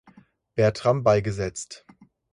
Bertram beigesetzt.